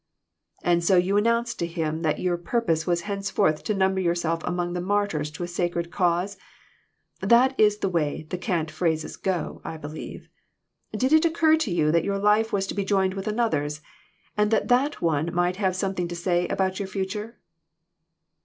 "And so you announced to him that your pur pose was henceforth to number yourself among 1 the martyrs to a sacred cause'? That is the way the cant phrases go, I believe. Did it occur to you that your life was to be joined with another's, and that that . one might have some thing to say about your future